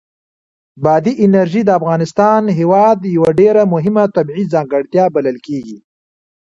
بادي انرژي د افغانستان هېواد یوه ډېره مهمه طبیعي ځانګړتیا بلل کېږي.